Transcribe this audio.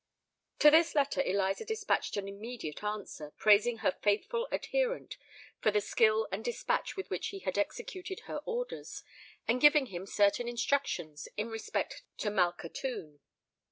To this letter Eliza despatched an immediate answer, praising her faithful adherent for the skill and despatch with which he had executed her orders, and giving him certain instructions in respect to Malkhatoun.